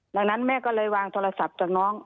ดังนั้นแม่ก็เลยวางโทรศัพท์จากน้อง